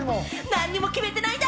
何も決めてないんだ！